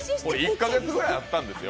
１か月ぐらいあったんですよ。